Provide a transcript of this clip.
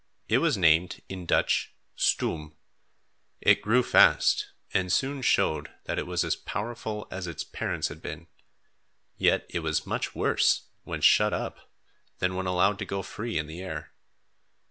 It was named in Dutch, Stoom. It grew fast and soon showed that it was as powerful as its parents had been; yet it was much worse, when shut up, than when allowed to go free in the air.